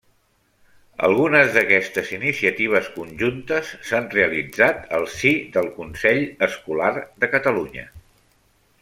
Algunes d'aquestes iniciatives conjuntes s'han realitzat al si del Consell Escolar de Catalunya.